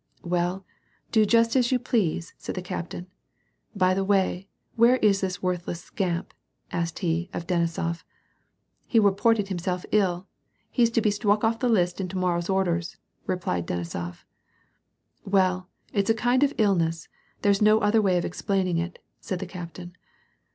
"Well, do just as you please," said the captain. "By the way, where is this worthless scamp ?" asked he, of Denisof. " He w'eported himself ill. He's to be stw'uck off the list in to mowow's orders," replied Denisof. " Well, it's a kind of illness, there's no other way of explain ing it," said the captain.